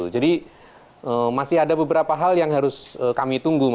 jadi masih ada beberapa hal yang harus kami tunggu